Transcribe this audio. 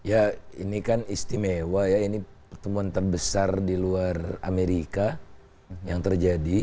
ya ini kan istimewa ya ini pertemuan terbesar di luar amerika yang terjadi